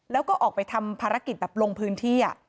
แล้วก็ออกไปทำภารกิจแบบลงพื้นที่